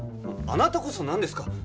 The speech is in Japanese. あなたこそなんですか？